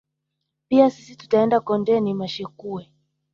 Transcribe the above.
Pia sisi tutaenda kondeni mashekuwe